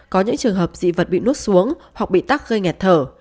có những trường hợp dị vật bị nút xuống hoặc bị tắc gây nghẹt thở